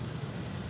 ada ribuan driver